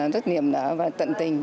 rất nghiệp và tận tình